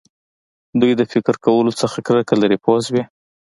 دوی د فکر کولو څخه کرکه لري پوه شوې!.